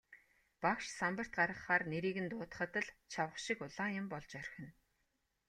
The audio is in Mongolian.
Багш самбарт гаргахаар нэрийг нь дуудахад л чавга шиг улаан юм болж орхино.